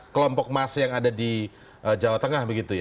kelompok mas yang ada di jawa tengah begitu ya